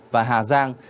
và hà giang